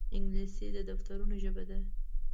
انګلیسي د دفترونو ژبه ده